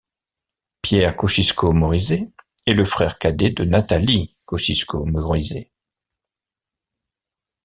Pierre Kosciusko-Morizet est le frère cadet de Nathalie Kosciusko-Morizet.